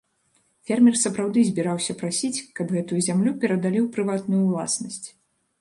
Фермер сапраўды збіраўся прасіць, каб гэтую зямлю перадалі ў прыватную ўласнасць.